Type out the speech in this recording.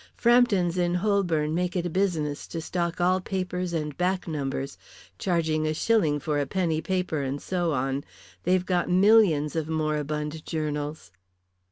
Frampton's in Holborn make it a business to stock all papers and back numbers, charging a shilling for a penny paper and so on. They've got millions of moribund journals."